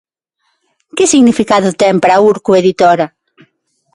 Que significado ten para Urco Editora?